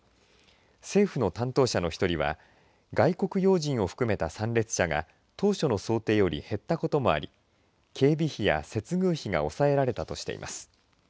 政府の担当者の１人は外国要人を含めた参列者が当初の想定より減ったこともあり警備費や接遇費が抑えられたとしています。